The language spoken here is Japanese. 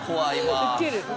ウケる。